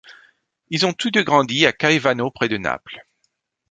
Ils ont tous deux grandi à Caivano près de Naples.